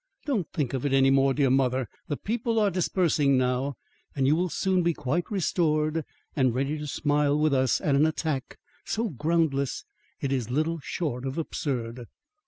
Don't think of it any more, dear mother. The people are dispersing now, and you will soon be quite restored and ready to smile with us at an attack so groundless it is little short of absurd."